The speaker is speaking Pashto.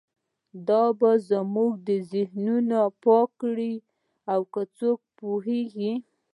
دا به زموږ ذهنونه پاک کړي او څوک پوهیږي